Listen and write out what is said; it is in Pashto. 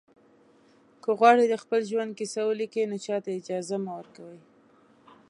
که غواړئ د خپل ژوند کیسه ولیکئ نو چاته اجازه مه ورکوئ.